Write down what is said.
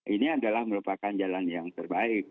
ini adalah merupakan jalan yang terbaik